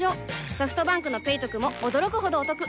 ソフトバンクの「ペイトク」も驚くほどおトク